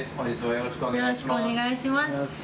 よろしくお願いします